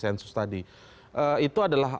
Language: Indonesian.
sensus tadi itu adalah